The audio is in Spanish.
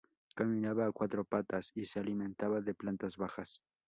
Caminaba a cuatro patas y se alimentaba de plantas bajas.